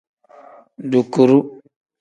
Dukuru.